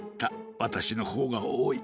わたしのほうがおおい。